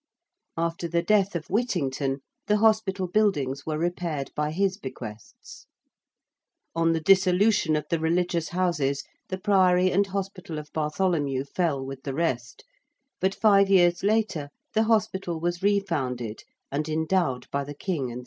After the death of Whittington, the hospital buildings were repaired by his bequests. On the dissolution of the religious houses, the Priory and Hospital of Bartholomew fell with the rest, but five years later the hospital was refounded and endowed by the King and the City.